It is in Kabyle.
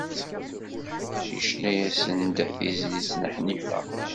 Yecna-yasen-d tizlit n Ḥnifa.